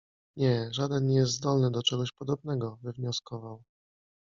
- Nie, żaden nie jest zdolny do czegoś podobnego - wywnioskował.